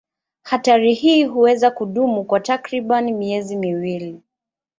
Hatari hii huweza kudumu kwa takriban miezi miwili.